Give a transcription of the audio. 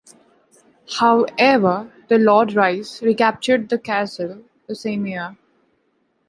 However, the Lord Rhys recaptured the castle the same year.